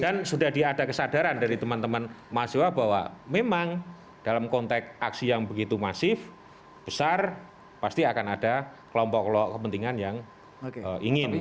dan sudah diada kesadaran dari teman teman mahasiswa bahwa memang dalam konteks aksi yang begitu masif besar pasti akan ada kelompok kelompok kepentingan yang ingin